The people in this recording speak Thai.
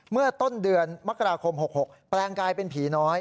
เมื่อต้นเดือนมกราคม๖๖แปลงกลายเป็นผีน้อย